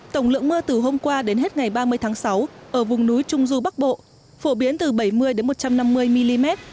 tổng lượng mưa từ hôm qua đến hết ngày ba mươi tháng sáu ở vùng núi trung du bắc bộ phổ biến từ bảy mươi một trăm năm mươi mm